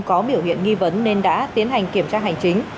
có biểu hiện nghi vấn nên đã tiến hành kiểm tra hành chính